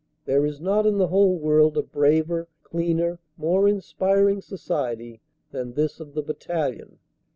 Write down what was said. There is not in the whole world a braver, cleaner, more inspiring society than this of the Battalion.